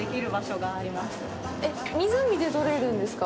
湖で取れるんですか？